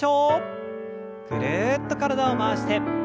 ぐるっと体を回して。